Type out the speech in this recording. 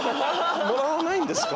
もらわないんですか？